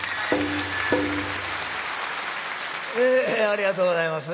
ありがとうございます。